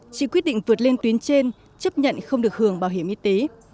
chị quyết định vượt lên tuyến trên chấp nhận không được hưởng bảo hiểm y tế